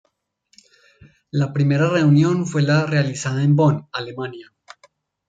La primera reunión fue la realizada en Bonn, Alemania.